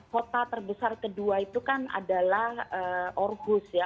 kota terbesar kedua itu kan adalah orgus ya